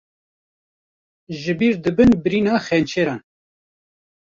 Jibîr dibin birîna xençeran